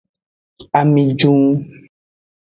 Ami jun.